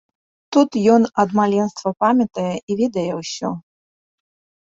Тут ён ад маленства памятае і ведае ўсё.